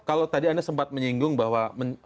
kalau tadi anda sempat menyinggung bahwa